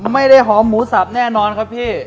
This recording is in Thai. ไม่ได้หอมหมูสับแน่นอนครับพี่